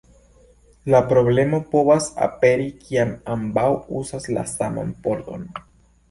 La problemo povas aperi kiam ambaŭ uzas la saman pordon.